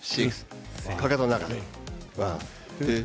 かかとは中で。